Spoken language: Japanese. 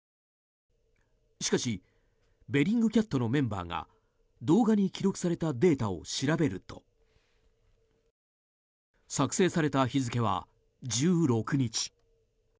しかしベリングキャットのメンバーが動画に記録されたデータを調べると作成された日付は１６日。